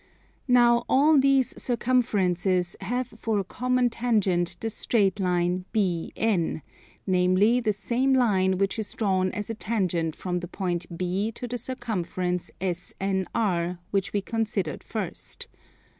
Now all these circumferences have for a common tangent the straight line BN; namely the same line which is drawn as a tangent from the point B to the circumference SNR which we considered first.